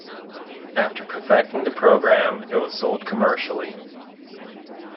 After perfecting the program, it was sold commercially.